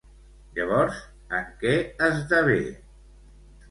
Llavors, en què esdevé?